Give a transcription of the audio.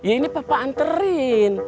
ini papa anterin